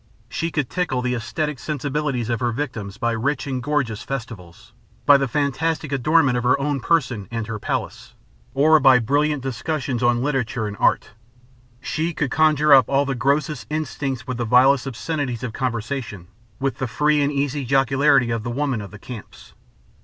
She could tickle the esthetic sensibilities of her victims by rich and gorgeous festivals, by the fantastic adornment of her own person and her palace, or by brilliant discussions on literature and art; she could conjure up all their grossest instincts with the vilest obscenities of conversation, with the free and easy jocularity of a woman of the camps.